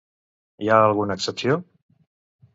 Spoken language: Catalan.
Hi ha alguna excepció?